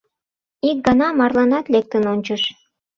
Ик гана марланат лектын ончыш.